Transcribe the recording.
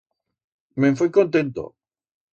Me'n foi contento!